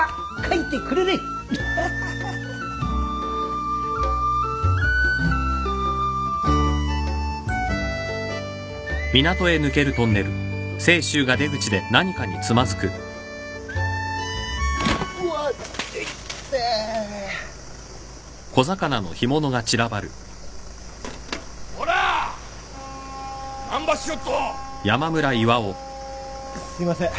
あっすいません。